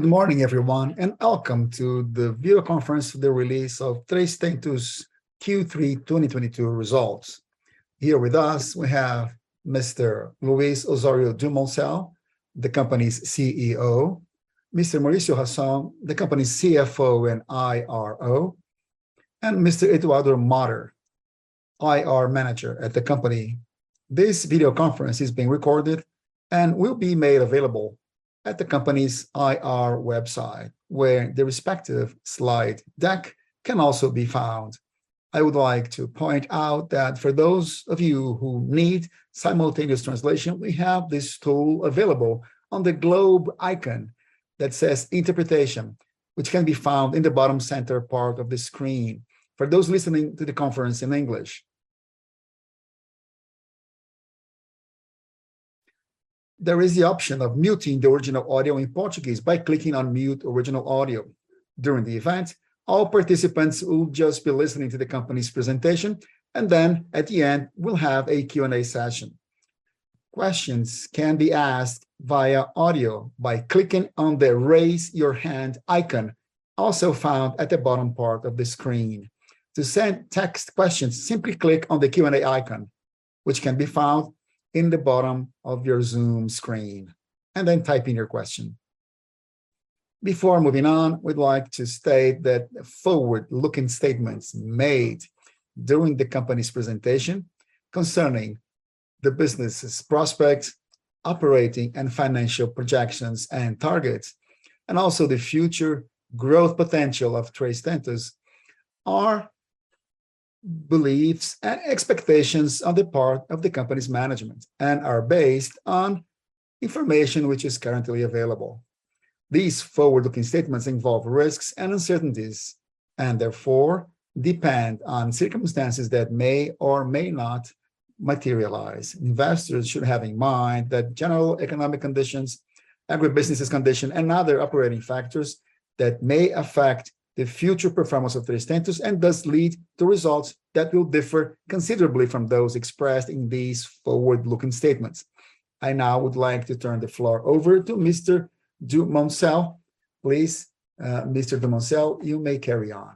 Good morning, everyone, and welcome to the video conference for the release of Três Tentos' Q3 2022 Results. Here with us we have Mr. Luiz Osório Dumoncel, the company's CEO, Mr. Maurício Hasson, the company's CFO and IRO, and Mr. Eduardo Motter, IR Manager at the company. This video conference is being recorded and will be made available at the company's IR website, where the respective slide deck can also be found. I would like to point out that for those of you who need simultaneous translation, we have this tool available on the globe icon that says Interpretation, which can be found in the bottom center part of the screen. For those listening to the conference in English, there is the option of muting the original audio in Portuguese by clicking on Mute Original Audio. During the event, all participants will just be listening to the company's presentation, and then at the end we'll have a Q&A session. Questions can be asked via audio by clicking on the Raise Your Hand icon, also found at the bottom part of the screen. To send text questions, simply click on the Q&A icon, which can be found in the bottom of your Zoom screen, and then type in your question. Before moving on, we'd like to state that forward-looking statements made during the company's presentation concerning the business's prospects, operating and financial projections and targets, and also the future growth potential of Três Tentos are beliefs and expectations on the part of the company's management and are based on information which is currently available. These forward-looking statements involve risks and uncertainties, and therefore depend on circumstances that may or may not materialize. Investors should have in mind that general economic conditions, agribusiness conditions, and other operating factors that may affect the future performance of Três Tentos and thus lead to results that will differ considerably from those expressed in these forward-looking statements. I now would like to turn the floor over to Mr. Dumoncel. Please, Mr. Dumoncel, you may carry on.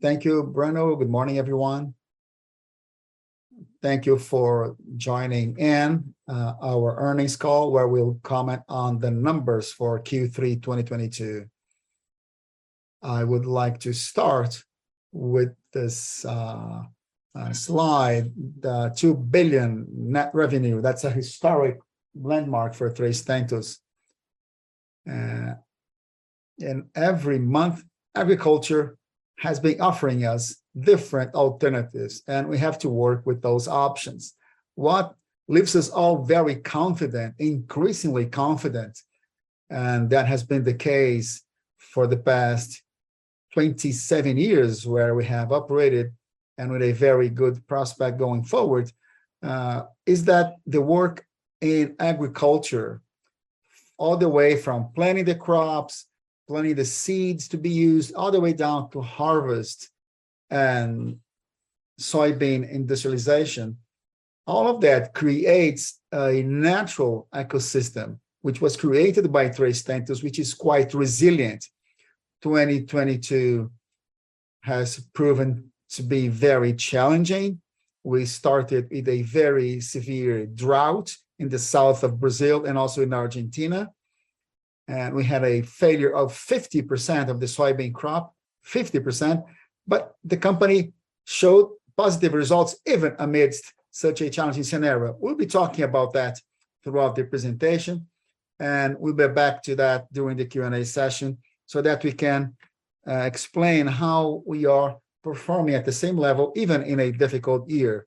Thank you, Bruno. Good morning, everyone. Thank you for joining in our earnings call, where we'll comment on the numbers for Q3 2022. I would like to start with this slide. The 2 billion net revenue, that's a historic landmark for Três Tentos. Every month, agriculture has been offering us different alternatives, and we have to work with those options. What leaves us all very confident, increasingly confident, and that has been the case for the past 27 years where we have operated, and with a very good prospect going forward, is that the work in agriculture, all the way from planting the crops, planting the seeds to be used, all the way down to harvest and soybean industrialization, all of that creates a natural ecosystem which was created by Três Tentos, which is quite resilient. 2022 has proven to be very challenging. We started with a very severe drought in the south of Brazil and also in Argentina, and we had a failure of 50% of the soybean crop. 50%. The company showed positive results even amidst such a challenging scenario. We'll be talking about that throughout the presentation, and we'll be back to that during the Q&A session so that we can explain how we are performing at the same level, even in a difficult year.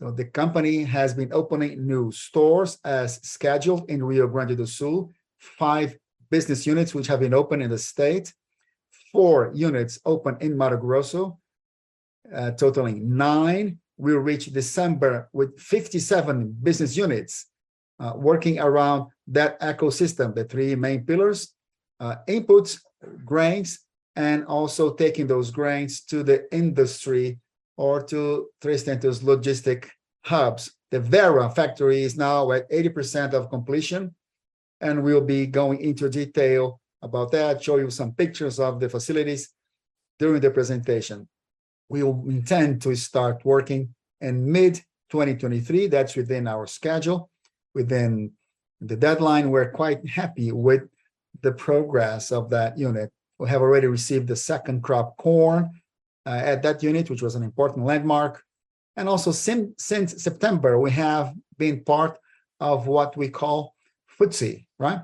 The company has been opening new stores as scheduled in Rio Grande do Sul. Five business units which have been opened in the state, four units opened in Mato Grosso, totaling nine. We'll reach December with 57 business units working around that ecosystem, the three main pillars, inputs, grains, and also taking those grains to the industry or to Três Tentos logistics hubs. The Vera factory is now at 80% of completion, and we'll be going into detail about that, show you some pictures of the facilities during the presentation. We will intend to start working in mid-2023. That's within our schedule, within the deadline. We're quite happy with the progress of that unit. We have already received the second crop corn at that unit, which was an important landmark. Since September, we have been part of what we call FTSE, right?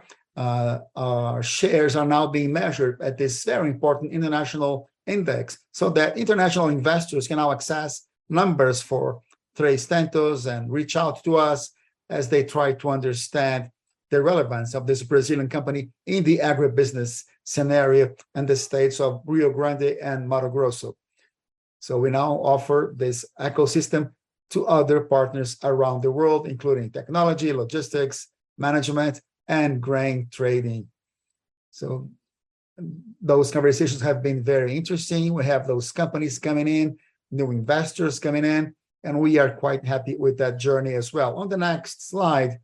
Our shares are now being measured at this very important international index so that international investors can now access numbers for Três Tentos and reach out to us as they try to understand the relevance of this Brazilian company in the agribusiness scenario in the states of Rio Grande and Mato Grosso. We now offer this ecosystem to other partners around the world, including technology, logistics, management, and grain trading. Those conversations have been very interesting. We have those companies coming in, new investors coming in, and we are quite happy with that journey as well. On the next slide,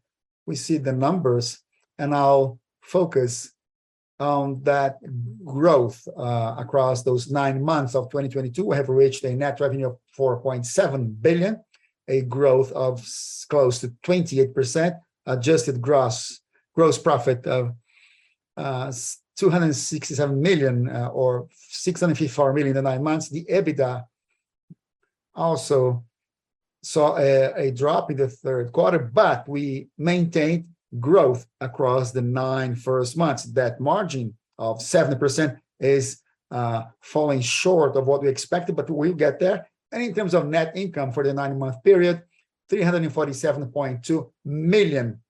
we see the numbers, and I'll focus on that growth across those nine months of 2022. We have reached a net revenue of 4.7 billion, a growth of close to 28%. Adjusted gross profit of 267 million or 654 million in the nine months. The EBITDA also saw a drop in the third quarter, but we maintained growth across the first nine months. That margin of 70% is falling short of what we expected, but we'll get there. In terms of net income for the nine-month period, 347.2 million,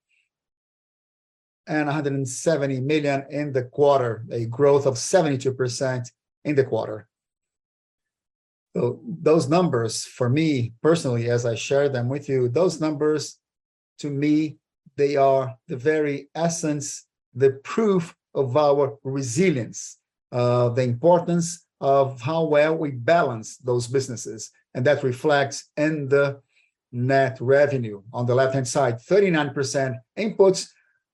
and 170 million in the quarter, a growth of 72% in the quarter. Those numbers, for me personally, as I share them with you, those numbers, to me, they are the very essence, the proof of our resilience, the importance of how well we balance those businesses, and that reflects in the net revenue. On the left-hand side, 39% inputs,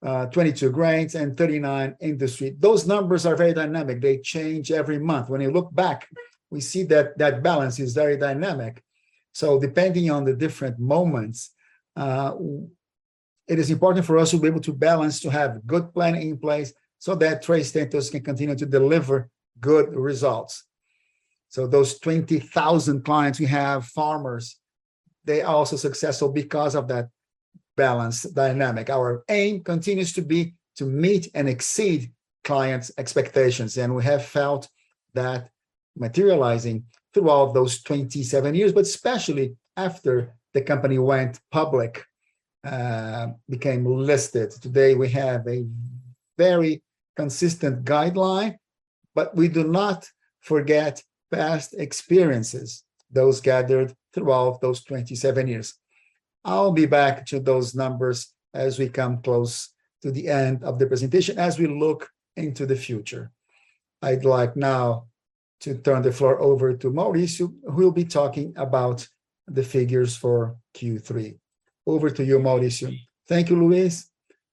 22% grains, and 39% industry. Those numbers are very dynamic. They change every month. When we look back, we see that that balance is very dynamic. Depending on the different moments, it is important for us to be able to balance, to have good planning in place so that Três Tentos can continue to deliver good results. Those 20,000 clients we have, farmers, they are also successful because of that balance dynamic. Our aim continues to be to meet and exceed clients' expectations, and we have felt that materializing throughout those 27 years. Especially after the company went public, became listed. Today, we have a very consistent guideline, but we do not forget past experiences, those gathered throughout those 27 years. I'll be back to those numbers as we come close to the end of the presentation, as we look into the future. I'd like now to turn the floor over to Maurício, who will be talking about the figures for Q3. Over to you, Maurício. Thank you, Luiz.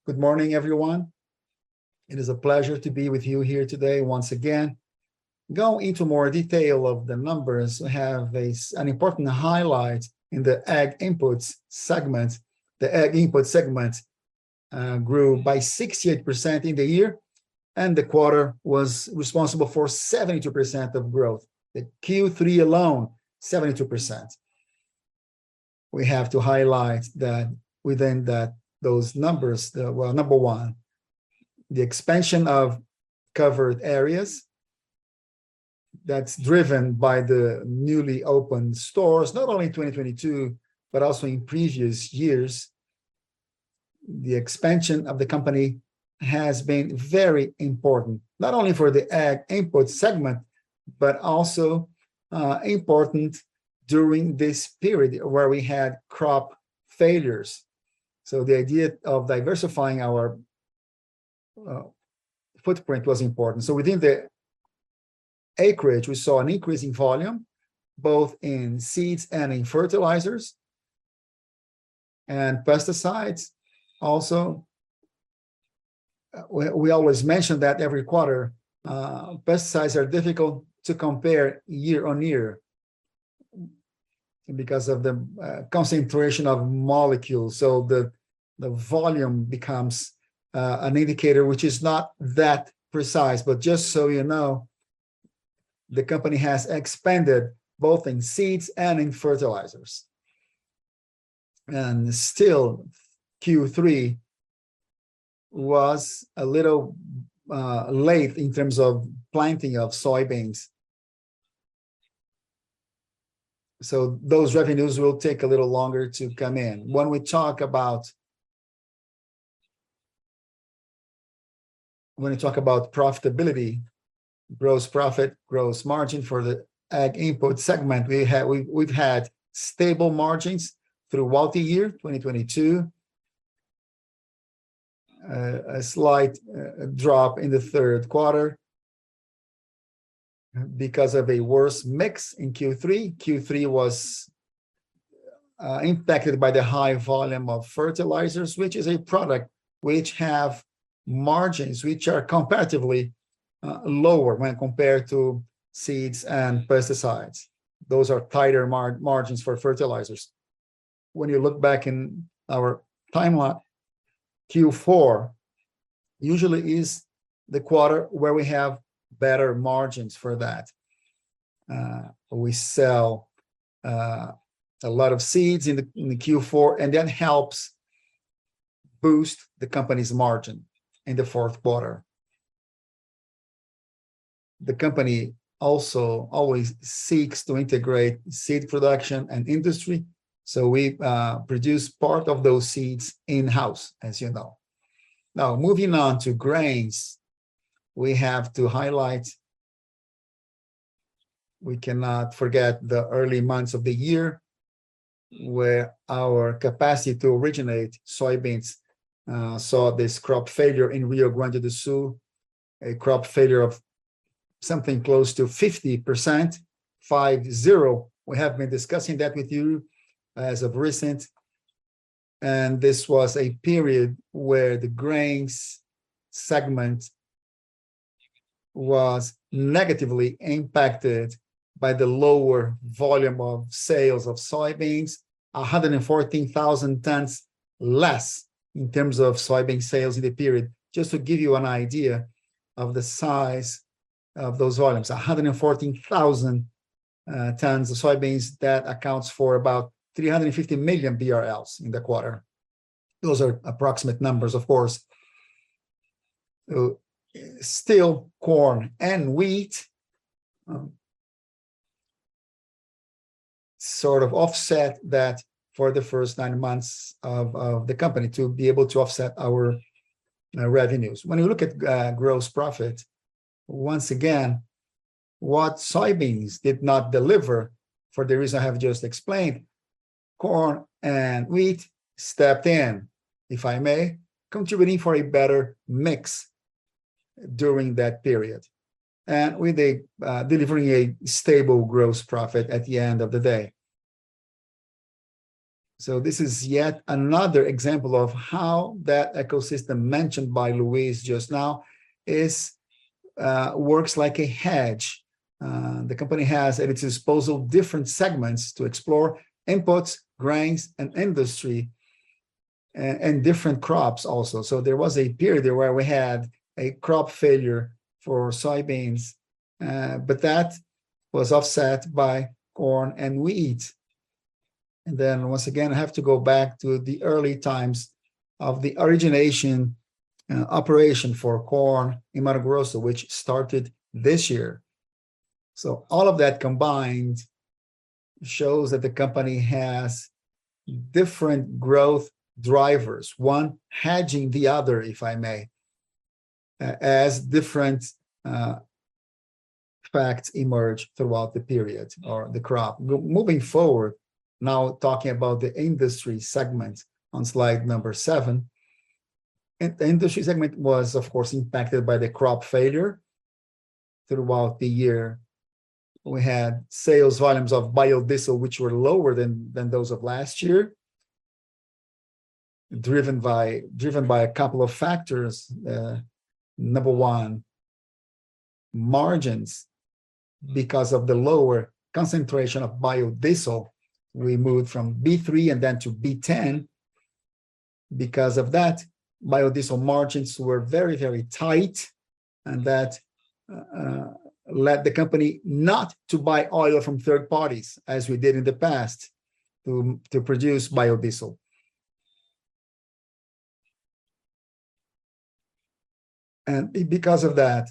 Good morning, everyone. It is a pleasure to be with you here today once again. Going into more detail of the numbers, we have an important highlight in the Ag Inputs segment. The Ag Inputs segment grew by 68% in the year, and the quarter was responsible for 72% of growth. The Q3 alone, 72%. We have to highlight that within that, those numbers. Well, number one, the expansion of covered areas, that's driven by the newly opened stores, not only in 2022, but also in previous years. The expansion of the company has been very important, not only for the Ag Inputs segment, but also important during this period where we had crop failures. The idea of diversifying our footprint was important. Within the acreage, we saw an increase in volume, both in seeds and in fertilizers, and pesticides also. We always mention that every quarter, pesticides are difficult to compare year-over-year because of the concentration of molecules, so the volume becomes an indicator which is not that precise. Just so you know, the company has expanded both in seeds and in fertilizers. Still, Q3 was a little late in terms of planting of soybeans. Those revenues will take a little longer to come in. When we talk about profitability, gross profit, gross margin for the Ag Inputs segment, we've had stable margins throughout the year 2022. A slight drop in the third quarter because of a worse mix in Q3. Q3 was impacted by the high volume of fertilizers, which is a product which have margins which are comparatively lower when compared to seeds and pesticides. Those are tighter margins for fertilizers. When you look back in our timeline, Q4 usually is the quarter where we have better margins for that. We sell a lot of seeds in the Q4, and that helps boost the company's margin in the fourth quarter. The company also always seeks to integrate seed production and industry, so we produce part of those seeds in-house, as you know. Now, moving on to Grains, we cannot forget the early months of the year where our capacity to originate soybeans saw this crop failure in Rio Grande do Sul. A crop failure of something close to 50%. We have been discussing that with you as of recent. This was a period where the grains segment was negatively impacted by the lower volume of sales of soybeans, 114,000 tons less in terms of soybean sales in the period. Just to give you an idea of the size of those volumes, 114,000 tons of soybeans, that accounts for about 350 million BRL in the quarter. Those are approximate numbers, of course. Still corn and wheat sort of offset that for the first nine months of the company to be able to offset our revenues. When you look at gross profit, once again, what soybeans did not deliver for the reason I have just explained, corn and wheat stepped in, if I may, contributing for a better mix during that period, and delivering a stable gross profit at the end of the day. This is yet another example of how that ecosystem mentioned by Luiz just now works like a hedge. The company has at its disposal different segments to explore inputs, grains and industry and different crops also. There was a period there where we had a crop failure for soybeans, but that was offset by corn and wheat. Once again, I have to go back to the early times of the origination operation for corn in Mato Grosso, which started this year. All of that combined shows that the company has different growth drivers, one hedging the other, if I may, as different facts emerge throughout the period or the crop. Moving forward now talking about the industry segment on slide number seven. The industry segment was of course impacted by the crop failure throughout the year. We had sales volumes of biodiesel which were lower than those of last year, driven by a couple of factors. Number one, margins. Because of the lower concentration of biodiesel, we moved from B3 and then to B10. Because of that, biodiesel margins were very, very tight and that led the company not to buy oil from third parties as we did in the past to produce biodiesel. Because of that,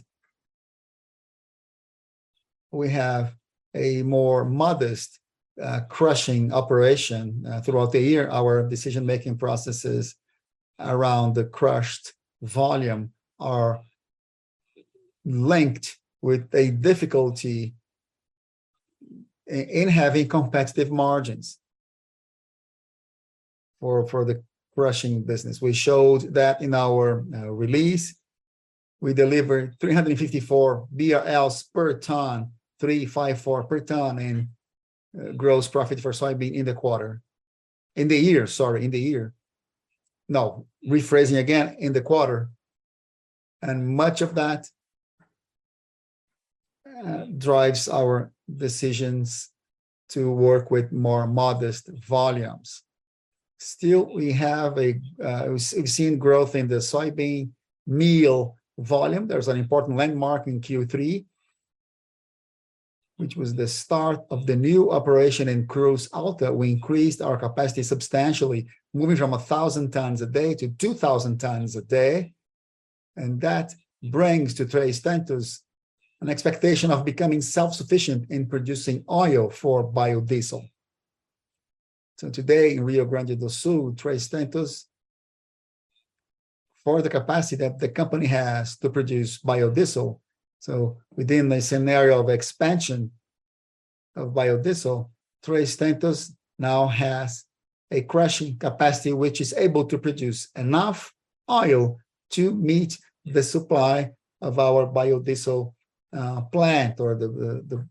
we have a more modest crushing operation. Throughout the year our decision-making processes around the crushed volume are linked with a difficulty in having competitive margins for the crushing business. We showed that in our release we delivered 354 BRL per ton, 354 per ton in gross profit for soybean in the quarter. In the year, sorry, in the year. No, rephrasing again, in the quarter. Much of that drives our decisions to work with more modest volumes. Still, we've seen growth in the soybean meal volume. There's an important landmark in Q3, which was the start of the new operation in Cruz Alta. We increased our capacity substantially, moving from 1,000 tons a day to 2,000 tons a day. That brings to Três Tentos an expectation of becoming self-sufficient in producing oil for biodiesel. Today in Rio Grande do Sul, Três Tentos for the capacity that the company has to produce biodiesel, so within the scenario of expansion of biodiesel, Três Tentos now has a crushing capacity which is able to produce enough oil to meet the supply of our biodiesel plant or the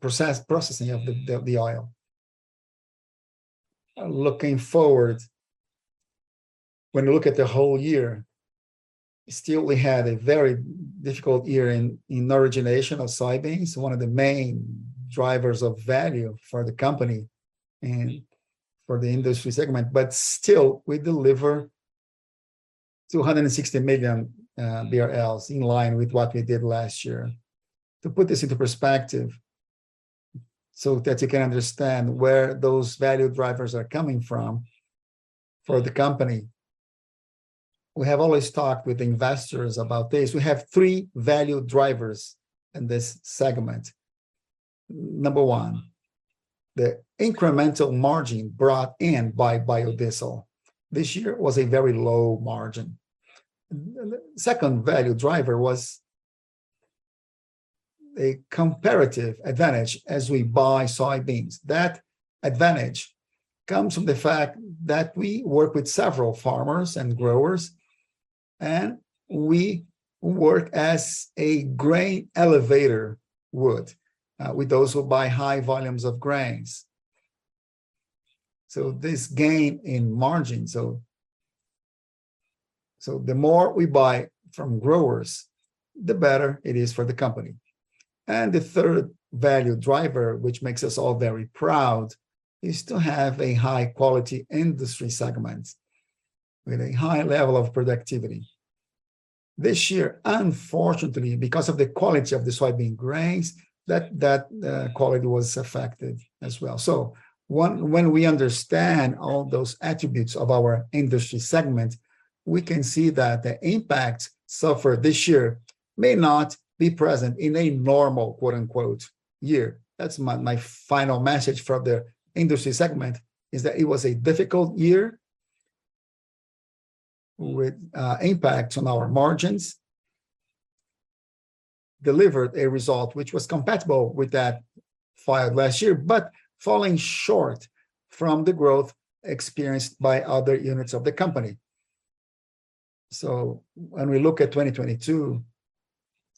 processing of the oil. Looking forward, when you look at the whole year, still we had a very difficult year in the origination of soybeans, one of the main drivers of value for the company and for the industry segment. We deliver 260 million BRL in line with what we did last year. To put this into perspective so that you can understand where those value drivers are coming from for the company, we have always talked with investors about this. We have three value drivers in this segment. Number one. The incremental margin brought in by biodiesel this year was a very low margin. The second value driver was a comparative advantage as we buy soybeans. That advantage comes from the fact that we work with several farmers and growers, and we work as a grain elevator would with those who buy high volumes of grains. This gain in margin, the more we buy from growers, the better it is for the company. The third value driver, which makes us all very proud, is to have a high quality industry segment with a high level of productivity. This year, unfortunately, because of the quality of the soybean grains, that quality was affected as well. When we understand all those attributes of our industry segment, we can see that the impact suffered this year may not be present in a normal, quote-unquote, year. That's my final message for the industry segment is that it was a difficult year with impact on our margins, delivered a result which was compatible with that yield last year, but falling short from the growth experienced by other units of the company. When we look at 2022,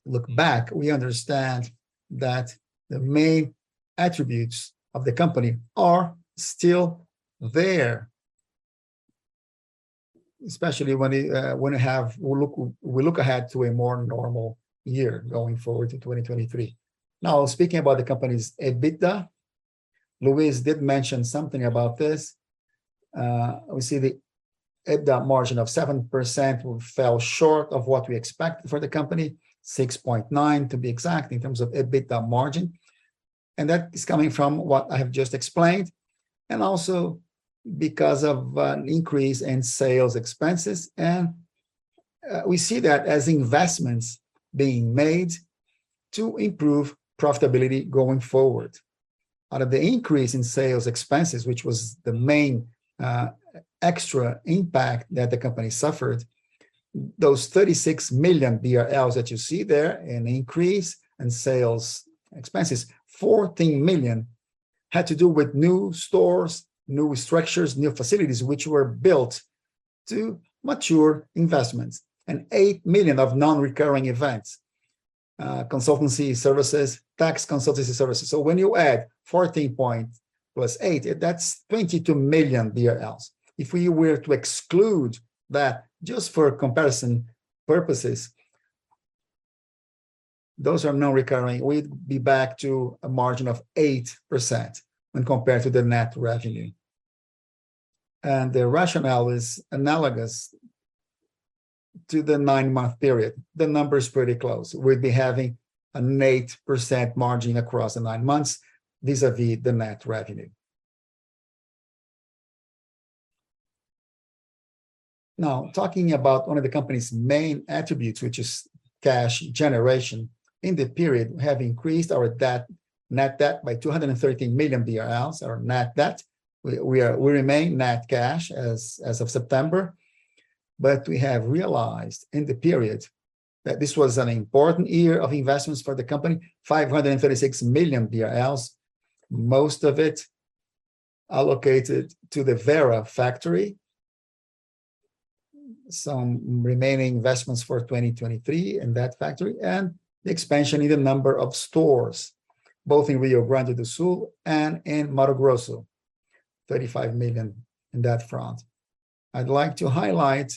we understand that the main attributes of the company are still there, especially when we have. We look ahead to a more normal year going forward to 2023. Now, speaking about the company's EBITDA, Luiz did mention something about this. We see the EBITDA margin of 7% fell short of what we expected for the company, 6.9% to be exact in terms of EBITDA margin, and that is coming from what I have just explained, and also because of an increase in sales expenses. We see that as investments being made to improve profitability going forward. Out of the increase in sales expenses, which was the main extra impact that the company suffered, those 36 million that you see there, an increase in sales expenses, 14 million had to do with new stores, new structures, new facilities which were built to mature investments, and 8 million of non-recurring events, consultancy services, tax consultancy services. When you add 14 + 8, that's 22 million. If we were to exclude that just for comparison purposes, those are non-recurring, we'd be back to a margin of 8% when compared to the net revenue. The rationale is analogous to the nine-month period. The number is pretty close. We'd be having an 8% margin across the nine months vis-à-vis the net revenue. Now, talking about one of the company's main attributes, which is cash generation. In the period, we have increased our debt, net debt by 213 million BRL, our net debt. We are, we remain net cash as of September, but we have realized in the period that this was an important year of investments for the company, 536 million, most of it allocated to the Vera factory, some remaining investments for 2023 in that factory, and the expansion in the number of stores, both in Rio Grande do Sul and in Mato Grosso, 35 million in that front. I'd like to highlight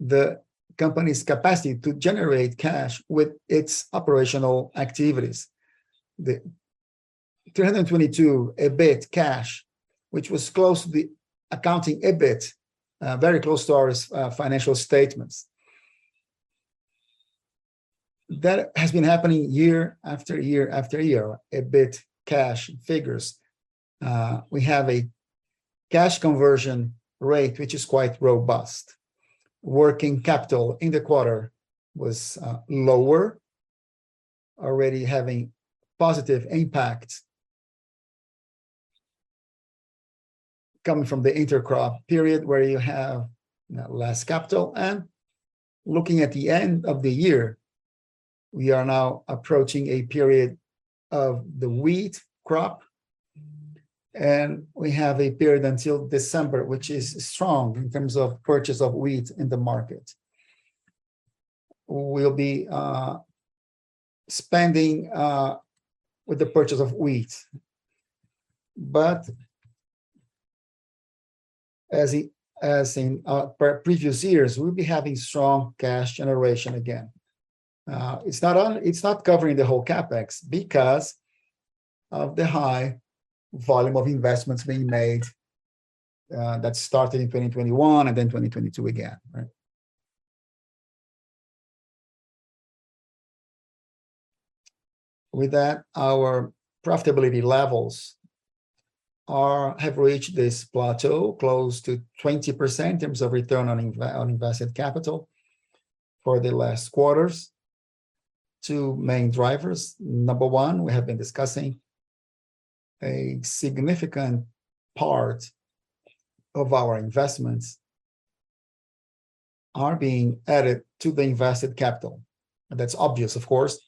the company's capacity to generate cash with its operational activities. The 322 EBIT cash, which was close to the accounting EBIT, very close to our financial statements. That has been happening year after year after year, EBIT cash figures. We have a cash conversion rate which is quite robust. Working capital in the quarter was lower, already having positive impact coming from the intercrop period where you have, you know, less capital. Looking at the end of the year, we are now approaching a period of the wheat crop, and we have a period until December, which is strong in terms of purchase of wheat in the market. We'll be spending with the purchase of wheat. But as in previous years, we'll be having strong cash generation again. It's not covering the whole CapEx because of the high volume of investments being made that started in 2021 and then 2022 again, right? With that, our profitability levels have reached this plateau close to 20% in terms of return on invested capital for the last quarters. Two main drivers. Number one, we have been discussing a significant part of our investments are being added to the invested capital, and that's obvious of course.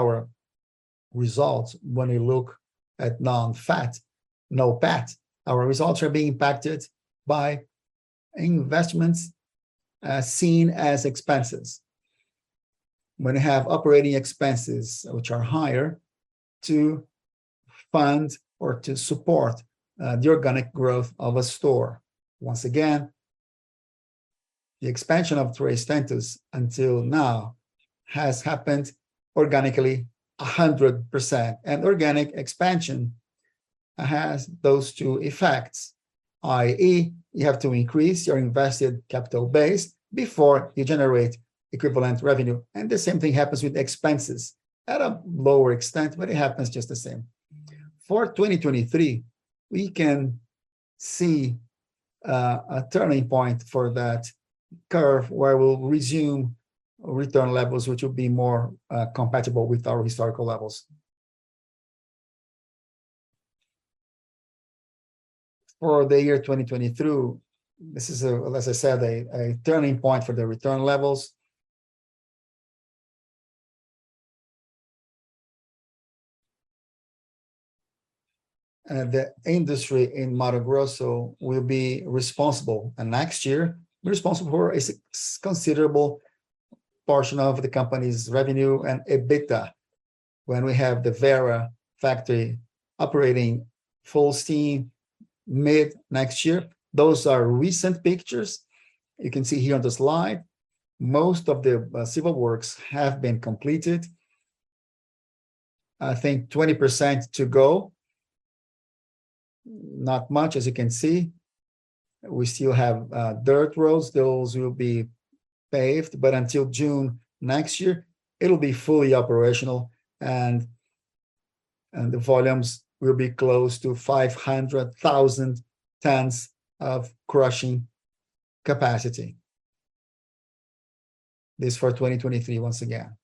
Our results when we look at NOPAT, our results are being impacted by investments seen as expenses. When you have operating expenses which are higher to fund or to support the organic growth of a store. Once again, the expansion of Três Tentos until now has happened organically 100%. Organic expansion has those two effects, i.e., you have to increase your invested capital base before you generate equivalent revenue. The same thing happens with expenses at a lower extent, but it happens just the same. For 2023, we can see a turning point for that curve where we'll resume return levels which will be more compatible with our historical levels. For the year 2023, this is, as I said, a turning point for the return levels. The industry in Mato Grosso will be responsible, and next year be responsible for a considerable portion of the company's revenue and EBITDA when we have the Vera factory operating full steam mid-next year. Those are recent pictures. You can see here on the slide, most of the civil works have been completed. I think 20% to go. Not much as you can see. We still have dirt roads. Those will be paved, but until June next year it'll be fully operational and the volumes will be close to 500,000 tons of crushing capacity. This for 2023 once again.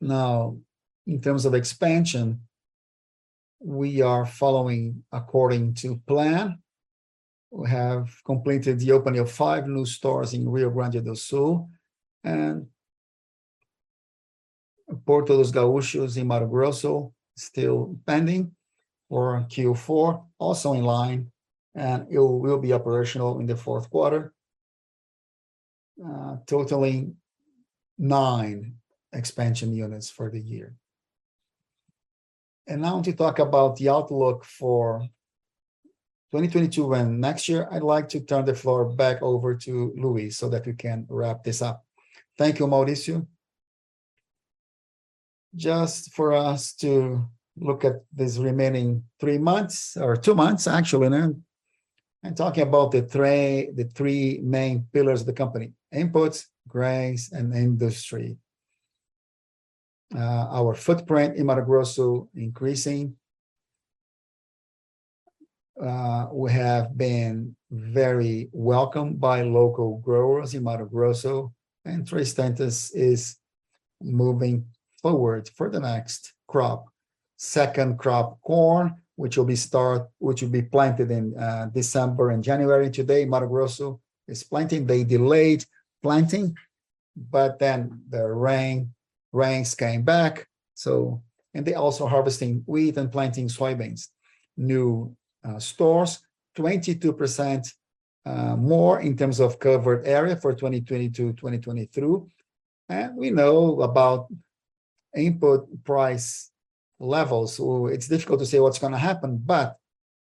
Now, in terms of expansion, we are following according to plan. We have completed the opening of five new stores in Rio Grande do Sul and Porto dos Gaúchos in Mato Grosso still pending for Q4, also in line, and it will be operational in the fourth quarter, totaling nine expansion units for the year. Now to talk about the outlook for 2022 and next year, I'd like to turn the floor back over to Luiz so that we can wrap this up. Thank you, Maurício. Just for us to look at these remaining three months, or two months actually now, and talking about the three main pillars of the company: inputs, grains, and industry. Our footprint in Mato Grosso increasing. We have been very welcomed by local growers in Mato Grosso, and Três Tentos is moving forward for the next crop. Second crop corn, which will be planted in December and January. Today, Mato Grosso is planting. They delayed planting, but then the rains came back. They're also harvesting wheat and planting soybeans. New stores, 22% more in terms of covered area for 2022-2023. We know about input price levels, so it's difficult to say what's gonna happen.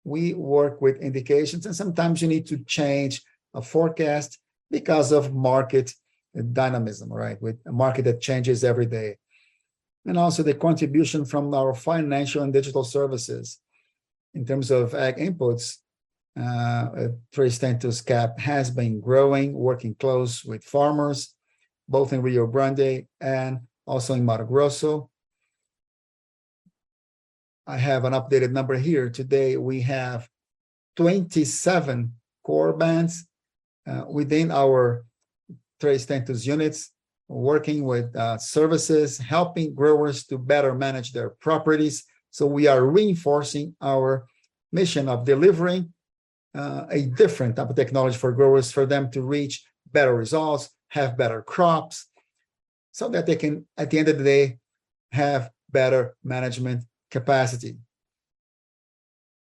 We work with indications, and sometimes you need to change a forecast because of market dynamism, right? With a market that changes every day. Also, the contribution from our financial and digital services. In terms of Ag Inputs, TentosCap has been growing, working close with farmers both in Rio Grande and also in Mato Grosso. I have an updated number here. Today, we have 27 core brands within our Três Tentos units working with services, helping growers to better manage their properties. We are reinforcing our mission of delivering a different type of technology for growers, for them to reach better results, have better crops, so that they can, at the end of the day, have better management capacity.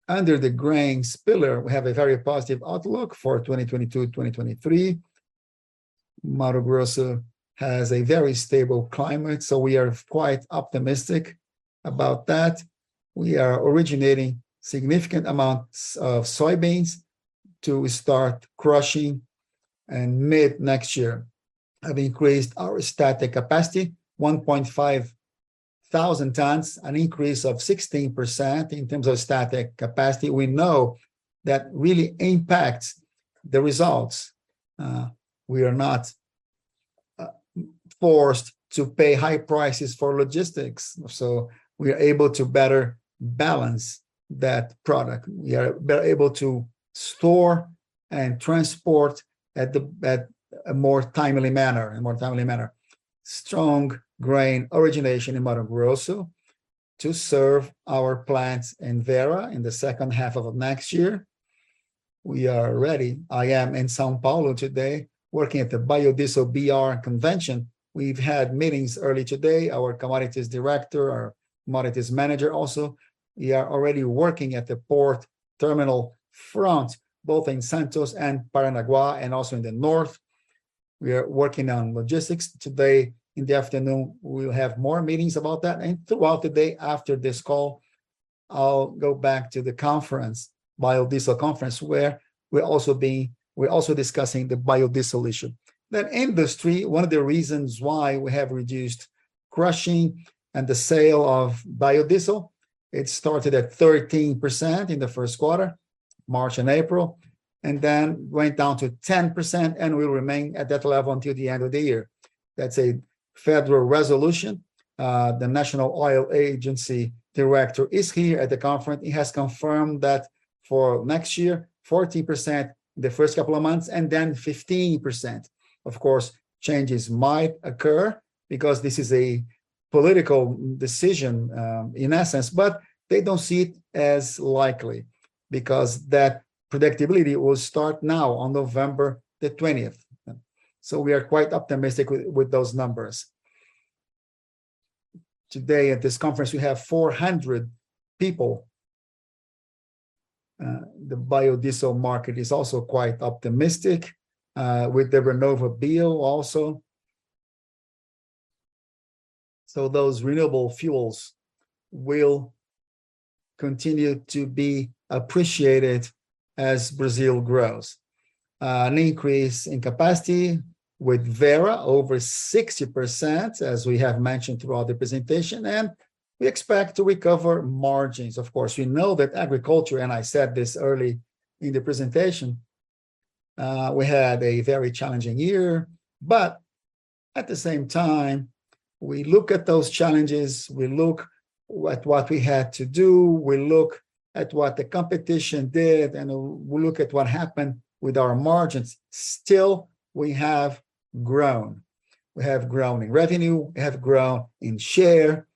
Under the Grains pillar, we have a very positive outlook for 2022-2023. Mato Grosso has a very stable climate, so we are quite optimistic about that. We are originating significant amounts of soybeans to start crushing in mid-next year. We have increased our storage capacity 1,500 tons, an increase of 16% in terms of storage capacity. We know that really impacts the results. We are not forced to pay high prices for logistics, so we're able to better balance that product. We are better able to store and transport at a more timely manner. Strong grain origination in Mato Grosso to serve our plants in Vera in the second half of next year. We are ready. I am in São Paulo today working at the BiodieselBR Conference. We've had meetings early today. Our commodities director, our commodities manager also. We are already working at the port terminal front, both in Santos and Paranaguá, and also in the north. We are working on logistics today. In the afternoon, we'll have more meetings about that, and throughout the day after this call, I'll go back to the conference, biodiesel conference, where we're also discussing the biodiesel issue. That industry, one of the reasons why we have reduced crushing and the sale of biodiesel, it started at 13% in the first quarter, March and April, and then went down to 10% and will remain at that level until the end of the year. That's a federal resolution. The National Oil Agency director is here at the conference. He has confirmed that for next year, 14% the first couple of months, and then 15%. Of course, changes might occur because this is a political decision, in essence, but they don't see it as likely because that predictability will start now on November 20th. We are quite optimistic with those numbers. Today at this conference, we have 400 people. The biodiesel market is also quite optimistic with the RenovaBio also. Those renewable fuels will continue to be appreciated as Brazil grows. An increase in capacity with Vera over 60%, as we have mentioned throughout the presentation, and we expect to recover margins. Of course, we know that agriculture, and I said this early in the presentation, we had a very challenging year. At the same time, we look at those challenges, we look at what we had to do, we look at what the competition did, and we look at what happened with our margins. Still, we have grown. We have grown in revenue, we have grown in share,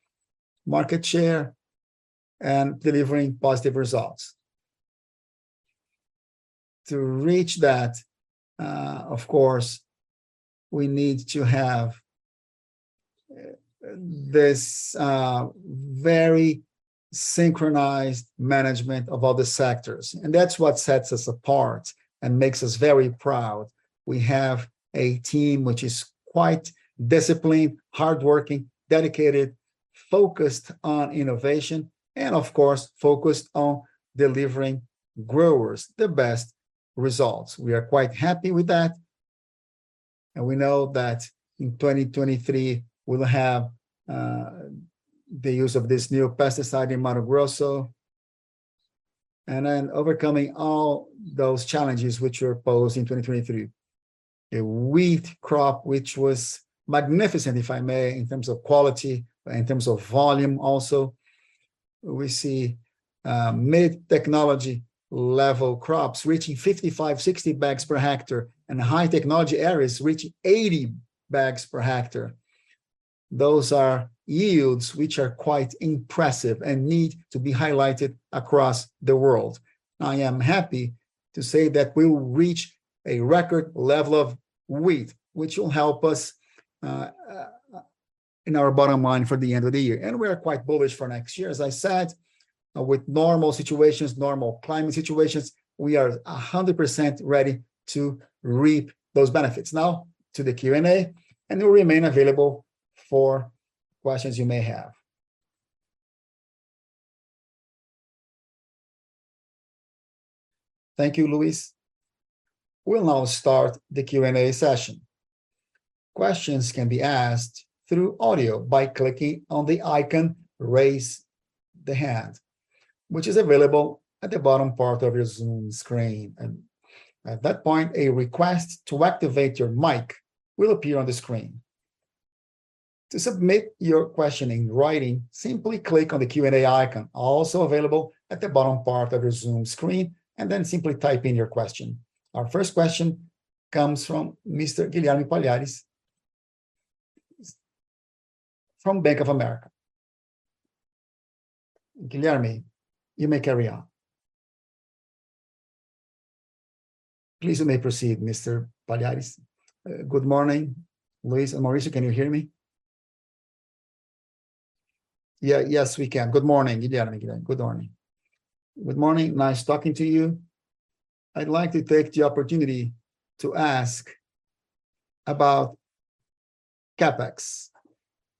market share, and delivering positive results. To reach that, of course, we need to have this very synchronized management of all the sectors, and that's what sets us apart and makes us very proud. We have a team which is quite disciplined, hardworking, dedicated, focused on innovation, and of course, focused on delivering growers the best results. We are quite happy with that, and we know that in 2023, we'll have the use of this new pesticide in Mato Grosso, and then overcoming all those challenges which are posed in 2023. A wheat crop which was magnificent, if I may, in terms of quality, in terms of volume also. We see mid technology level crops reaching 55-60 bags per hectare and high technology areas reaching 80 bags per hectare. Those are yields which are quite impressive and need to be highlighted across the world. I am happy to say that we will reach a record level of wheat, which will help us in our bottom line for the end of the year, and we are quite bullish for next year. As I said, with normal situations, normal climate situations, we are 100% ready to reap those benefits. Now to the Q&A, and we'll remain available for questions you may have. Thank you, Luiz. We'll now start the Q&A session. Questions can be asked through audio by clicking on the icon Raise the Hand, which is available at the bottom part of your Zoom screen. At that point, a request to activate your mic will appear on the screen. To submit your question in writing, simply click on the Q&A icon also available at the bottom part of your Zoom screen, and then simply type in your question. Our first question comes from Mr. Guilherme Palhares from Bank of America. Guilherme, you may carry on. Please, you may proceed, Mr. Palhares. Good morning, Luiz and Maurício. Can you hear me? Yeah. Yes, we can. Good morning, Guilherme. Good morning. Good morning. Nice talking to you. I'd like to take the opportunity to ask about CapEx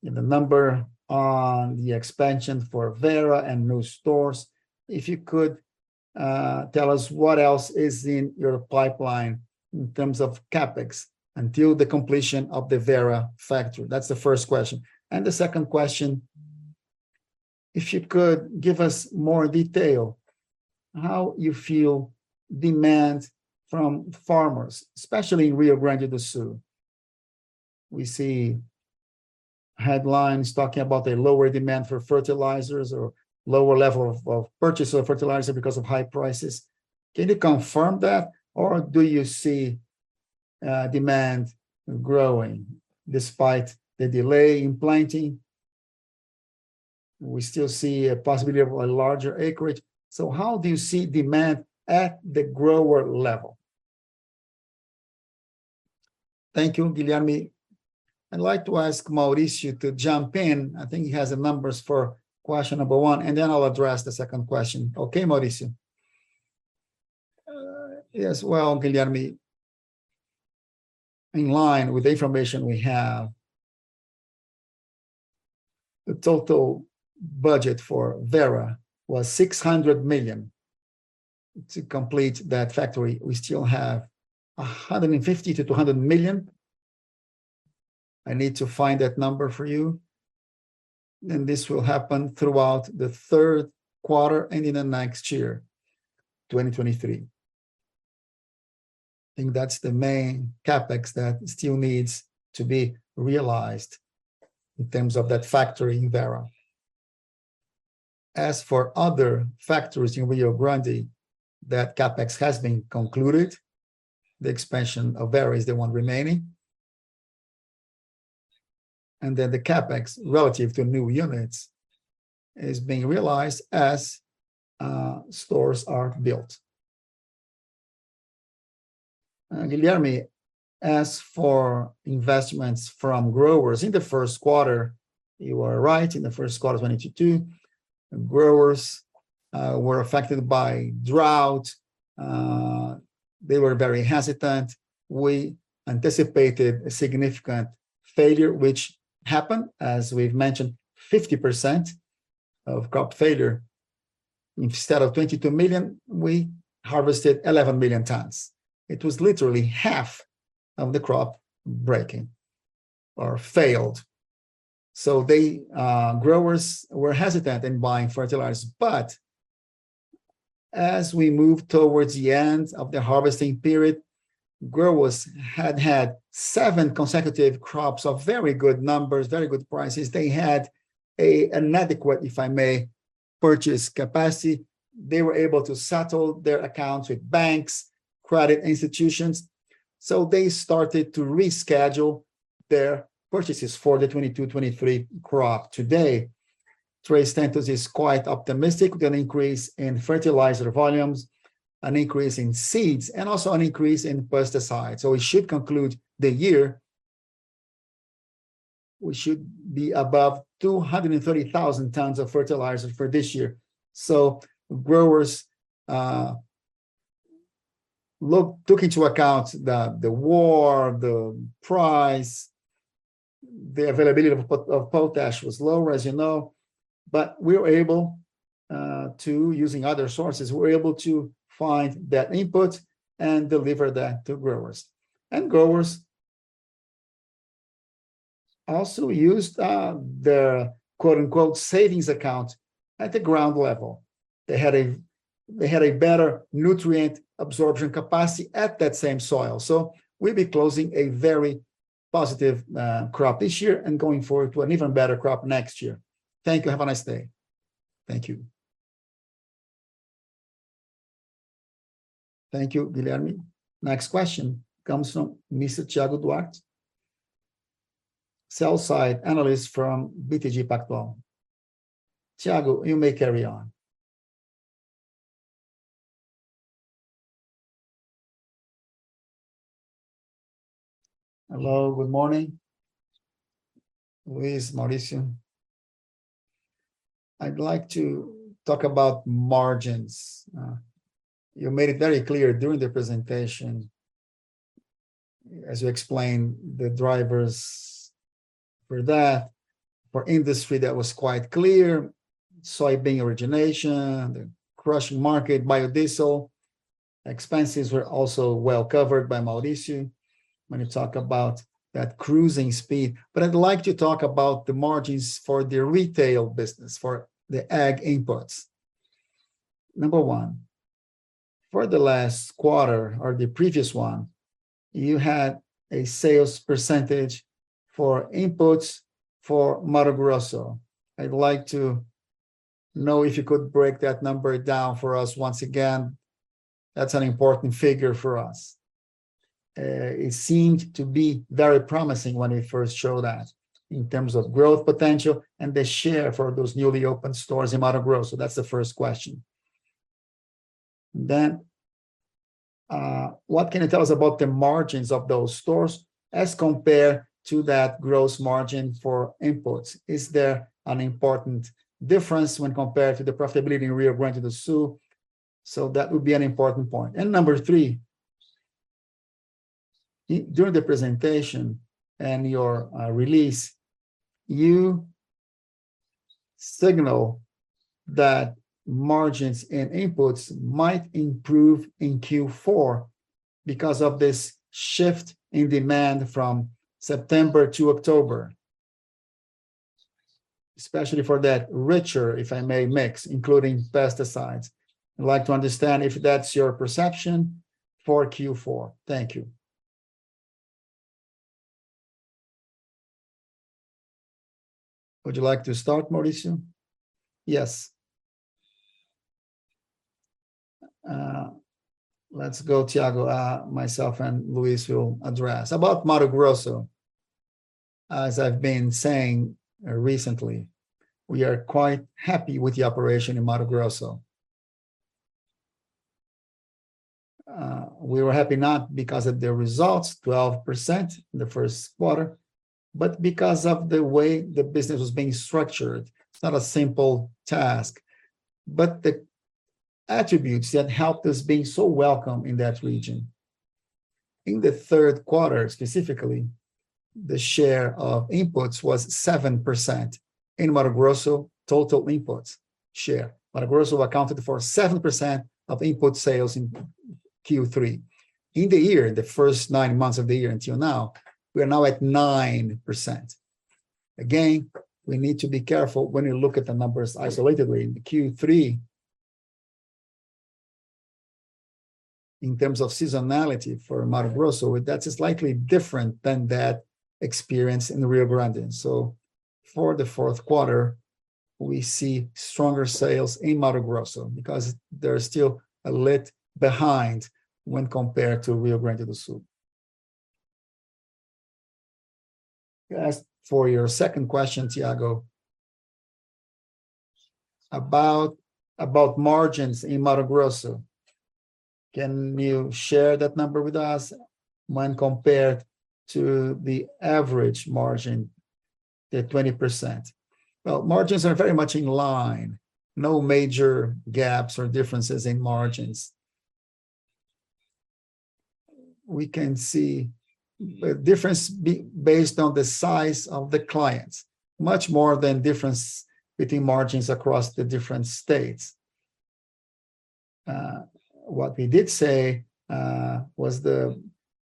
and the number on the expansion for Vera and new stores. If you could tell us what else is in your pipeline in terms of CapEx until the completion of the Vera factory. That's the first question. The second question, if you could give us more detail how you feel demand from farmers, especially in Rio Grande do Sul. We see headlines talking about a lower demand for fertilizers or lower level of purchase of fertilizer because of high prices. Can you confirm that or do you see demand growing despite the delay in planting? We still see a possibility of a larger acreage. How do you see demand at the grower level? Thank you, Guilherme. I'd like to ask Maurício to jump in. I think he has the numbers for question number one, and then I'll address the second question. Okay, Maurício? Yes. Well, Guilherme, in line with the information we have, the total budget for Vera was 600 million. To complete that factory, we still have 150-200 million. I need to find that number for you. This will happen throughout the third quarter and in the next year, 2023. I think that's the main CapEx that still needs to be realized in terms of that factory in Vera. As for other factories in Rio Grande, that CapEx has been concluded. The expansion of Vera is the one remaining. Then the CapEx relative to new units is being realized as stores are built. Guilherme, as for investments from growers, in the first quarter, you are right. In the first quarter of 2022, growers were affected by drought. They were very hesitant. We anticipated a significant failure, which happened, as we've mentioned, 50% of crop failure. Instead of 22 million, we harvested 11 million tons. It was literally half of the crop breaking or failed. Growers were hesitant in buying fertilizers. As we moved towards the end of the harvesting period, growers had had seven consecutive crops of very good numbers, very good prices. They had an adequate, if I may, purchase capacity. They were able to settle their accounts with banks, credit institutions, so they started to reschedule their purchases for the 2022, 2023 crop. Today, Três Tentos is quite optimistic with an increase in fertilizer volumes, an increase in seeds, and also an increase in pesticides. We should conclude the year, we should be above 230,000 tons of fertilizer for this year. Growers took into account the war, the price, the availability of potash was lower, as you know, but we were able to, using other sources, we were able to find that input and deliver that to growers. Growers also used their quote-unquote savings account at the ground level. They had a better nutrient absorption capacity at that same soil. We'll be closing a very positive crop this year and going forward to an even better crop next year. Thank you. Have a nice day. Thank you. Thank you, Guilherme. Next question comes from Mr. Thiago Duarte, sell-side analyst from BTG Pactual. Thiago, you may carry on. Hello, good morning. Luiz, Maurício, I'd like to talk about margins. You made it very clear during the presentation as you explained the drivers for that. For industry, that was quite clear. Soybean origination, the crushing market, biodiesel. Expenses were also well covered by Maurício when you talk about that cruising speed. I'd like to talk about the margins for the retail business, for the Ag Inputs. Number one, for the last quarter or the previous one, you had a sales percentage for inputs for Mato Grosso. I'd like to know if you could break that number down for us once again. That's an important figure for us. It seemed to be very promising when you first showed that in terms of growth potential and the share for those newly opened stores in Mato Grosso. That's the first question. What can you tell us about the margins of those stores as compared to that gross margin for inputs? Is there an important difference when compared to the profitability in Rio Grande do Sul? That would be an important point. Number three. During the presentation and your release, you signal that margins and inputs might improve in Q4 because of this shift in demand from September to October, especially for that richer, if I may, mix, including pesticides. I'd like to understand if that's your perception for Q4. Thank you. Would you like to start, Maurício? Yes. Let's go, Thiago. Myself and Luiz will address. About Mato Grosso, as I've been saying recently, we are quite happy with the operation in Mato Grosso. We were happy not because of the results, 12% in the first quarter, but because of the way the business was being structured. It's not a simple task, but the attributes that helped us being so welcome in that region. In the third quarter, specifically, the share of inputs was 7% in Mato Grosso total inputs share. Mato Grosso accounted for 7% of input sales in Q3. In the year, the first nine months of the year until now, we are now at 9%. Again, we need to be careful when you look at the numbers isolatedly. In Q3, in terms of seasonality for Mato Grosso, that is slightly different than that experience in the Rio Grande. For the fourth quarter, we see stronger sales in Mato Grosso because they're still a little behind when compared to Rio Grande do Sul. As for your second question, Thiago, about margins in Mato Grosso, can you share that number with us when compared to the average margin, the 20%? Well, margins are very much in line. No major gaps or differences in margins. We can see a difference based on the size of the clients, much more than difference between margins across the different states. What we did say was the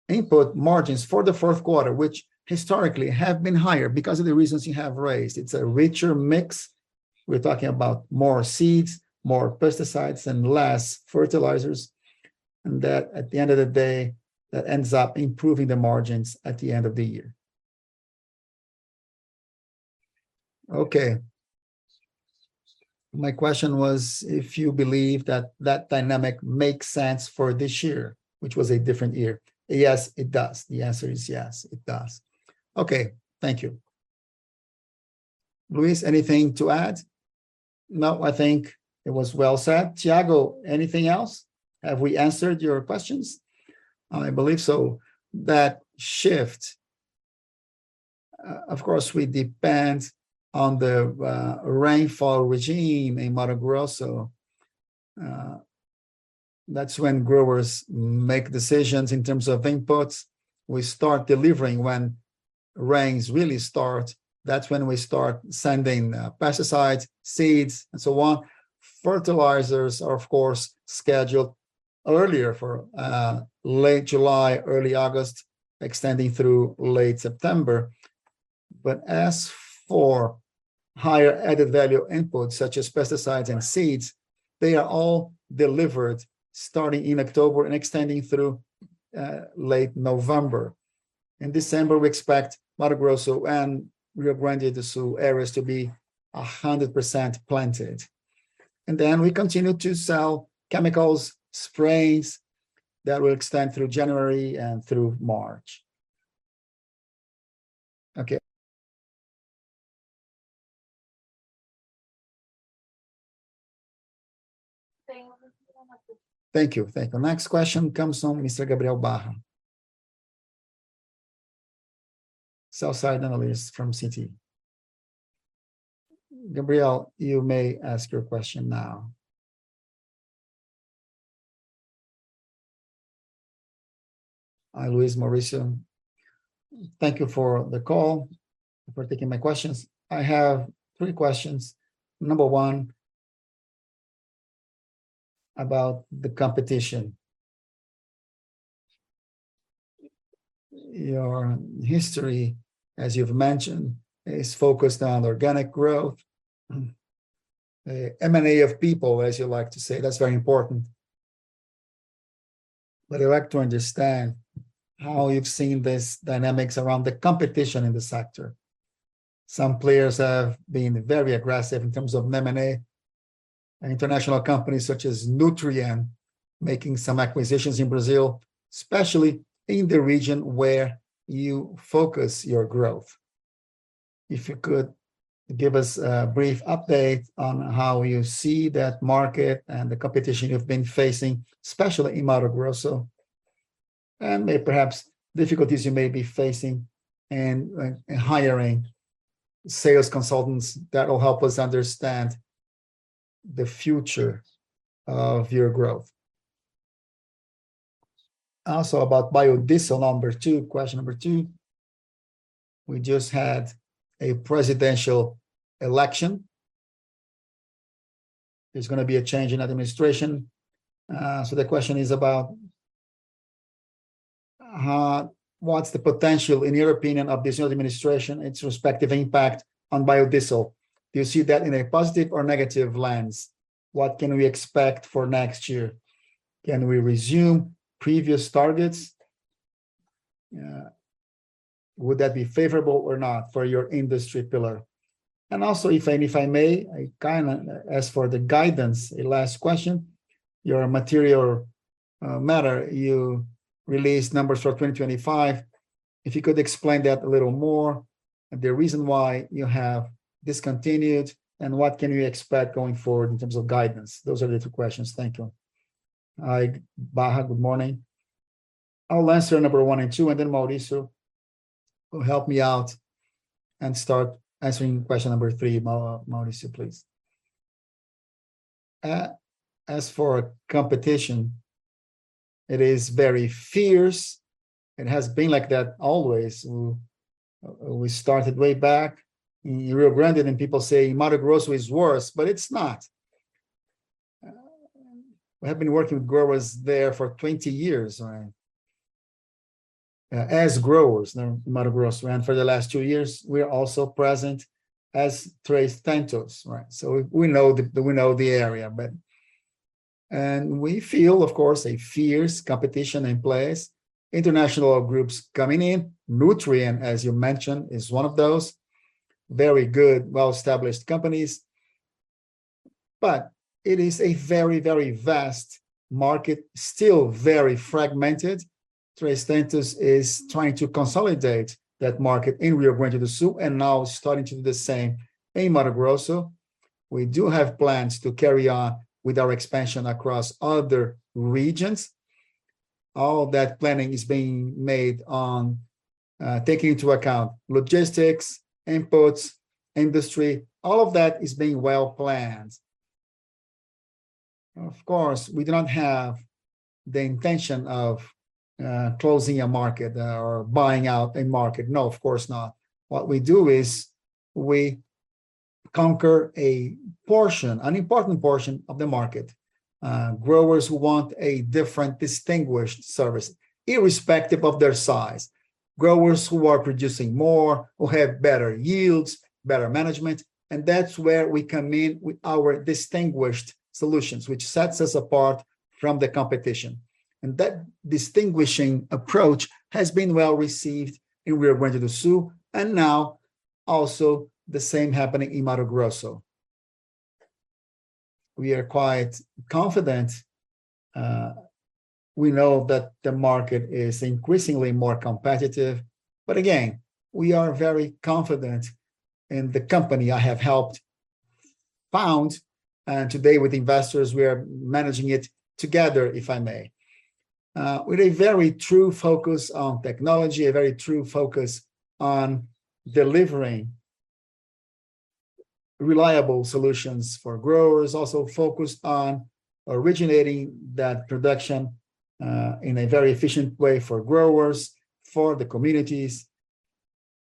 unit margins for the fourth quarter, which historically have been higher because of the reasons you have raised. It's a richer mix. We're talking about more seeds, more pesticides, and less fertilizers, and that, at the end of the day, that ends up improving the margins at the end of the year. Okay. My question was if you believe that that dynamic makes sense for this year, which was a different year. Yes, it does. The answer is yes, it does. Okay. Thank you. Luiz, anything to add? No, I think it was well said. Thiago, anything else? Have we answered your questions? I believe so. That shift, of course, will depend on the rainfall regime in Mato Grosso. That's when growers make decisions in terms of inputs. We start delivering when rains really start. That's when we start sending pesticides, seeds and so on. Fertilizers are, of course, scheduled earlier for late July, early August, extending through late September. As for higher added value inputs such as pesticides and seeds, they are all delivered starting in October and extending through late November. In December, we expect Mato Grosso and Rio Grande do Sul areas to be 100% planted. Then we continue to sell chemicals, sprays. That will extend through January and through March. Okay. Thank you so much. Thank you. Thank you. Next question comes from Mr. Gabriel Barra, sell-side analyst from Citi. Gabriel, you may ask your question now. Hi, Luiz, Maurício. Thank you for the call, for taking my questions. I have three questions. Number one about the competition. Your history, as you've mentioned, is focused on organic growth, M&A of people, as you like to say. That's very important. I'd like to understand how you've seen this dynamics around the competition in the sector. Some players have been very aggressive in terms of M&A, and international companies such as Nutrien making some acquisitions in Brazil, especially in the region where you focus your growth. If you could give us a brief update on how you see that market and the competition you've been facing, especially in Mato Grosso, and maybe the difficulties you may be facing in hiring sales consultants, that will help us understand the future of your growth. Also about biodiesel, number two, question number two. We just had a presidential election. There's gonna be a change in administration. The question is about, what's the potential, in your opinion, of this new administration, its respective impact on biodiesel? Do you see that in a positive or negative lens? What can we expect for next year? Can we resume previous targets? Would that be favorable or not for your industry pillar? Also, if I may, as for the guidance, a last question. Your materiality you released numbers for 2025. If you could explain that a little more, the reason why you have discontinued, and what can we expect going forward in terms of guidance? Those are the two questions. Thank you. Hi, Barra. Good morning. I'll answer number one and two, and then Maurício will help me out and start answering question number three. Maurício, please. As for competition, it is very fierce and has been like that always. We started way back in Rio Grande, and people say Mato Grosso is worse, but it's not. We have been working with growers there for 20 years, right? As growers. Now Mato Grosso, and for the last two years, we are also present as Três Tentos, right? We know the area. But we feel, of course, a fierce competition in place. International groups coming in. Nutrien, as you mentioned, is one of those. Very good, well-established companies. But it is a very, very vast market, still very fragmented. Três Tentos is trying to consolidate that market in Rio Grande do Sul, and now starting to do the same in Mato Grosso. We do have plans to carry on with our expansion across other regions. All that planning is being made on taking into account logistics, inputs, industry. All of that is being well planned. Of course, we do not have the intention of closing a market or buying out a market. No, of course not. What we do is we conquer a portion, an important portion of the market. Growers who want a different distinguished service, irrespective of their size, growers who are producing more, who have better yields, better management, and that's where we come in with our distinguished solutions, which sets us apart from the competition. That distinguishing approach has been well received in Rio Grande do Sul, and now also the same happening in Mato Grosso. We are quite confident. We know that the market is increasingly more competitive, but again, we are very confident in the company I have helped found. Today with investors, we are managing it together, if I may. With a very true focus on technology, a very true focus on delivering reliable solutions for growers. Also focused on originating that production, in a very efficient way for growers, for the communities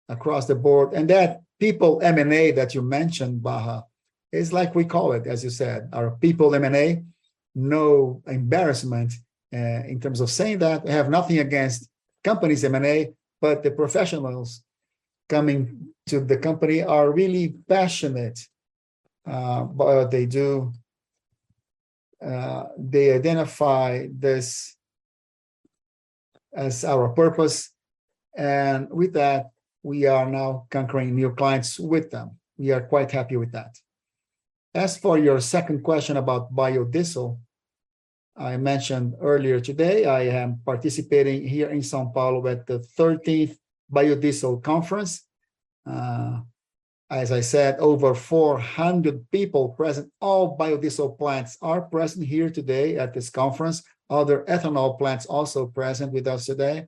across the board. That people M&A that you mentioned, Barra, is like we call it, as you said, our people M&A. No embarrassment, in terms of saying that. I have nothing against companies M&A, but the professionals coming to the company are really passionate, about what they do. They identify this as our purpose, and with that, we are now conquering new clients with them. We are quite happy with that. As for your second question about biodiesel, I mentioned earlier today, I am participating here in São Paulo at the 30th BiodieselBR Conference. As I said, over 400 people present. All biodiesel plants are present here today at this conference. Other ethanol plants also present with us today.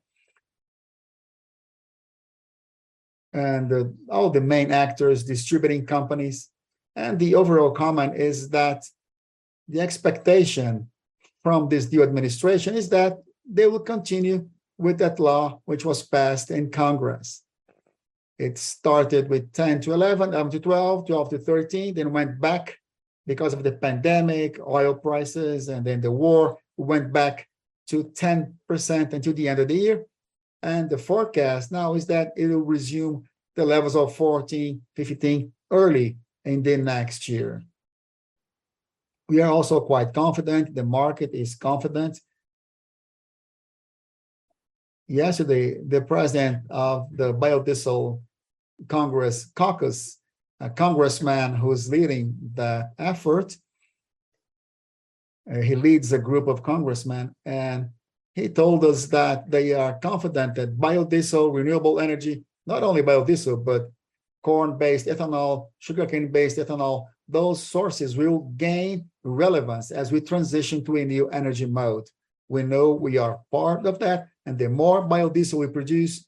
All the main actors, distributing companies. The overall comment is that the expectation from this new administration is that they will continue with that law which was passed in Congress. It started with 10%-11% to 12%, 12%-13%, then went back because of the pandemic, oil prices, and then the war. Went back to 10% until the end of the year. The forecast now is that it'll resume the levels of 14%-15% early in the next year. We are also quite confident. The market is confident. Yesterday, the president of the Frente Parlamentar Mista do Biodiesel, a congressman who is leading the effort, he leads a group of congressmen and he told us that they are confident that biodiesel, renewable energy, not only biodiesel, but corn-based ethanol, sugarcane-based ethanol, those sources will gain relevance as we transition to a new energy mode. We know we are part of that. The more biodiesel we produce,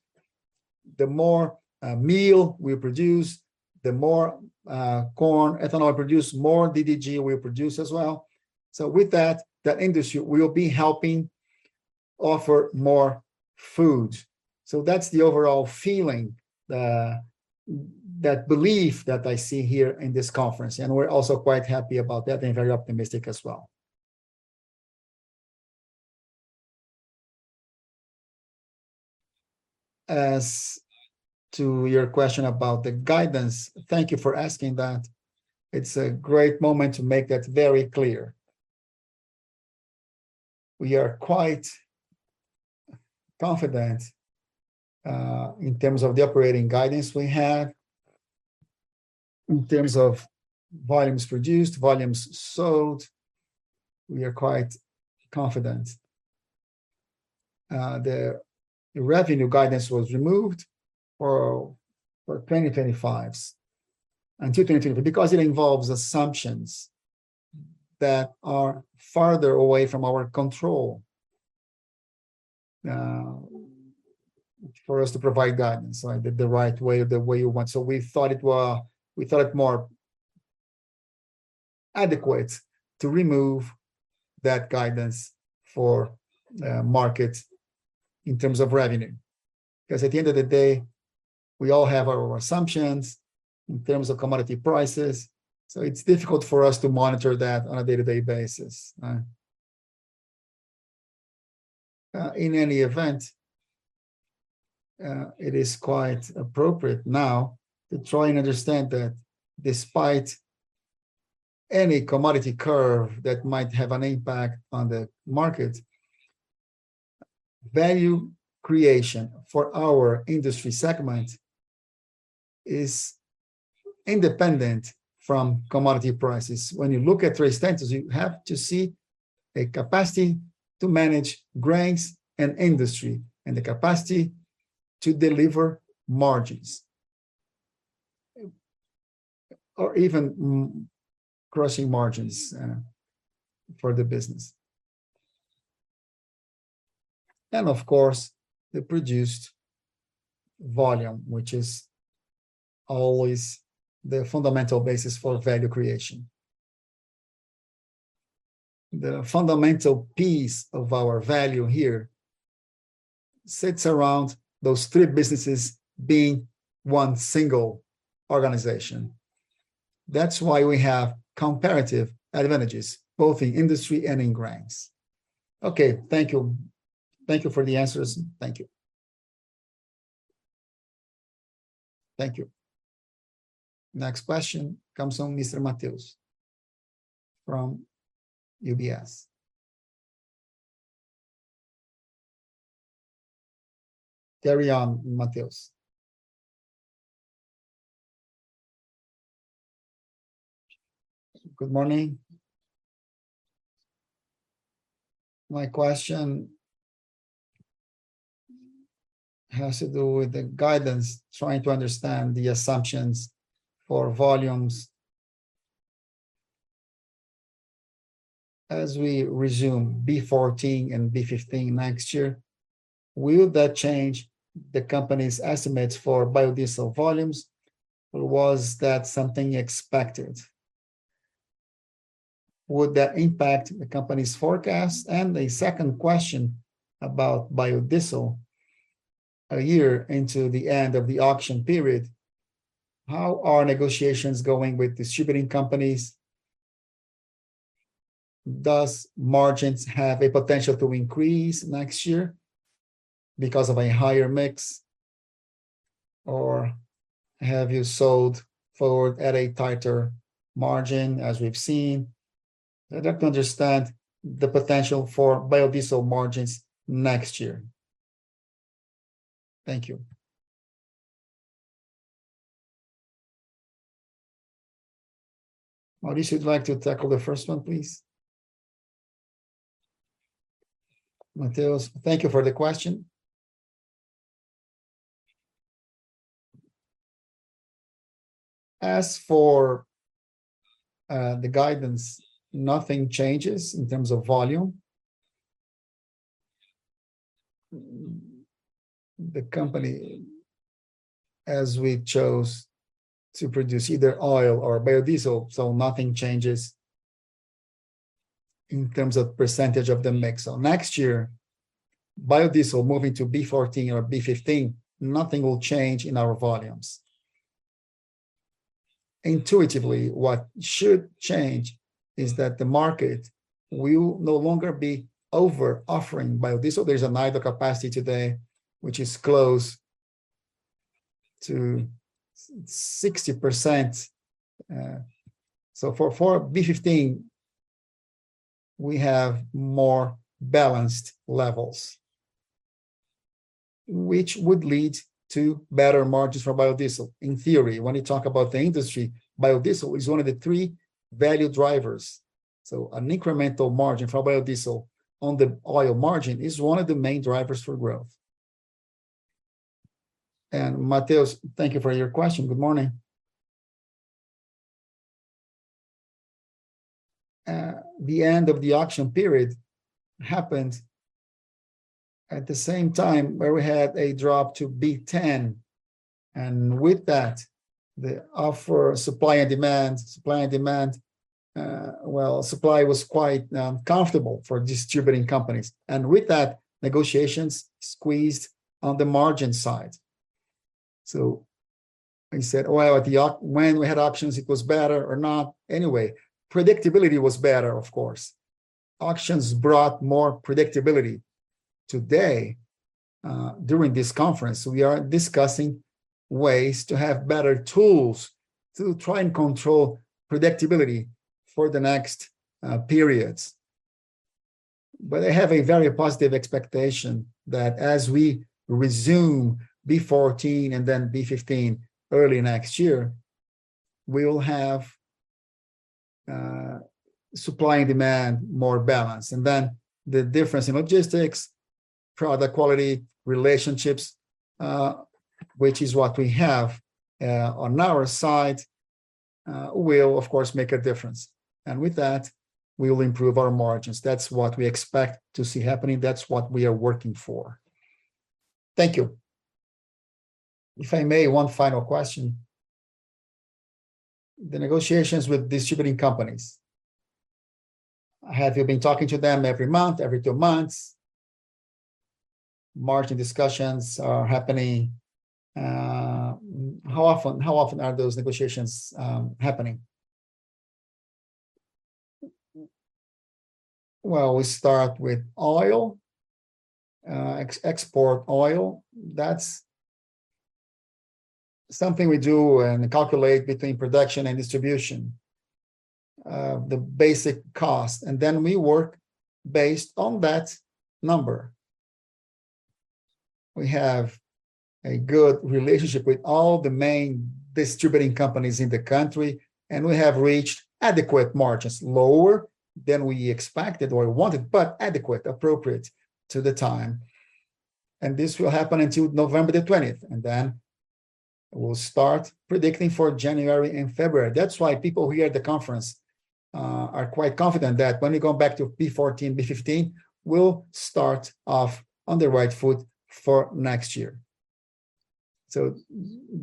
the more meal we produce, the more corn ethanol produced, more DDG we produce as well. With that, the industry will be helping offer more food. That's the overall feeling, that belief that I see here in this conference, and we're also quite happy about that and very optimistic as well. As to your question about the guidance, thank you for asking that. It's a great moment to make that very clear. We are quite confident in terms of the operating guidance we have, in terms of volumes produced, volumes sold, we are quite confident. The revenue guidance was removed for 2025, until 2025, because it involves assumptions that are farther away from our control, for us to provide guidance, like, the right way or the way you want. We thought it more adequate to remove that guidance for markets in terms of revenue. 'Cause at the end of the day, we all have our assumptions in terms of commodity prices, so it's difficult for us to monitor that on a day-to-day basis. In any event, it is quite appropriate now to try and understand that despite any commodity curve that might have an impact on the market, value creation for our industry segment is independent from commodity prices. When you look at Três Tentos, you have to see a capacity to manage grains and industry, and the capacity to deliver margins, or even crushing margins, for the business. Of course, the produced volume, which is always the fundamental basis for value creation. The fundamental piece of our value here sits around those three businesses being one single organization. That's why we have comparative advantages, both in industry and in grains. Okay. Thank you. Thank you for the answers. Thank you. Thank you. Next question comes from Mr. Mateus from UBS. Carry on, Mateus. Good morning. My question has to do with the guidance, trying to understand the assumptions for volumes. As we resume B14 and B15 next year, will that change the company's estimates for biodiesel volumes, or was that something expected? Would that impact the company's forecast? A second question about biodiesel. A year into the end of the auction period, how are negotiations going with distributing companies? Does margins have a potential to increase next year because of a higher mix, or have you sold forward at a tighter margin as we've seen? I'd like to understand the potential for biodiesel margins next year. Thank you. Maurício would like to tackle the first one, please. Mateus, thank you for the question. As for the guidance, nothing changes in terms of volume. The company, as we chose to produce either oil or biodiesel, so nothing changes in terms of percentage of the mix. Next year, biodiesel moving to B14 or B15, nothing will change in our volumes. Intuitively, what should change is that the market will no longer be over-offering biodiesel. There's an idle capacity today, which is close to 60%. For B15, we have more balanced levels, which would lead to better margins for biodiesel, in theory. When you talk about the industry, biodiesel is one of the three value drivers. An incremental margin for biodiesel on the oil margin is one of the main drivers for growth. Mateus, thank you for your question. Good morning. The end of the auction period happened at the same time where we had a drop to B10, and with that, the offer, supply and demand, well, supply was quite comfortable for distributing companies. With that, negotiations squeezed on the margin side. I said, "Well, when we had options, it was better or not." Anyway, predictability was better, of course. Auctions brought more predictability. Today, during this conference, we are discussing ways to have better tools to try and control predictability for the next periods. I have a very positive expectation that as we resume B14 and then B15 early next year, we'll have supply and demand more balanced. The difference in logistics, product quality, relationships, which is what we have on our side, will of course make a difference. With that, we will improve our margins. That's what we expect to see happening. That's what we are working for. Thank you. If I may, one final question. The negotiations with distributing companies, have you been talking to them every month, every two months? Margin discussions are happening. How often are those negotiations happening? Well, we start with oil, export oil. That's something we do and calculate between production and distribution, the basic cost, and then we work based on that number. We have a good relationship with all the main distributing companies in the country, and we have reached adequate margins, lower than we expected or wanted, but adequate, appropriate to the time. This will happen until November 20th, and then we'll start predicting for January and February. That's why people here at the conference are quite confident that when we go back to B14, B15, we'll start off on the right foot for next year.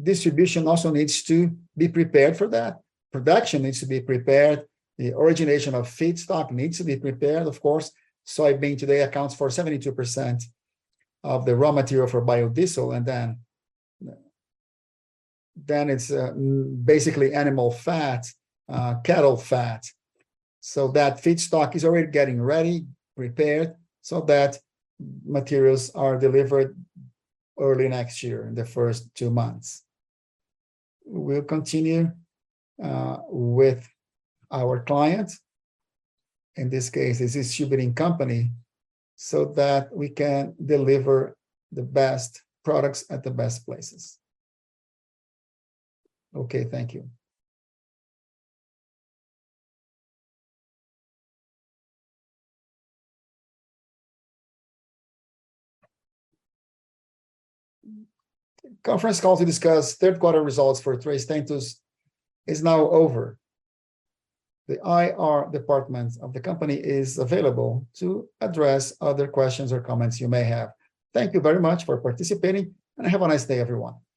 Distribution also needs to be prepared for that. Production needs to be prepared. The origination of feedstock needs to be prepared, of course. Soybean today accounts for 72% of the raw material for biodiesel, and then it's basically animal fat, cattle fat. That feedstock is already getting ready, prepared, so that materials are delivered early next year in the first two months. We'll continue with our clients, in this case, the distributing company, so that we can deliver the best products at the best places. Okay, thank you. Conference call to discuss third quarter results for Três Tentos Agroindustrial is now over. The IR department of the company is available to address other questions or comments you may have. Thank you very much for participating, and have a nice day, everyone.